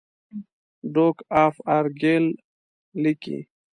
ډوک آف ارګایل لیکي.